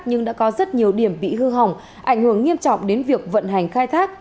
nhưng đã có rất nhiều điểm bị hư hỏng ảnh hưởng nghiêm trọng đến việc vận hành khai thác